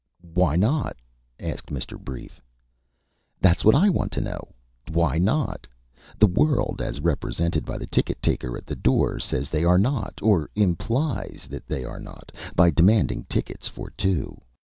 "Why not?" asked Mr. Brief. "That's what I want to know why not? The world, as represented by the ticket taker at the door, says they are not or implies that they are not, by demanding tickets for two.